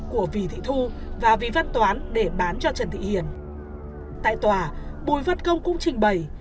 của vì thị thu và vị văn toán để bán cho trần thị hiền tại tòa bùi văn công cũng trình bày